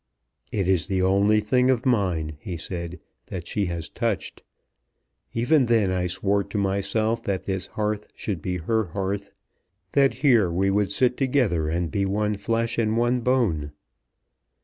"It is the only thing of mine," he said, "that she has touched. Even then I swore to myself that this hearth should be her hearth; that here we would sit together, and be one flesh and one bone."